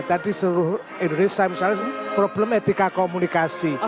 tadi seluruh indonesia misalnya problem etika komunikasi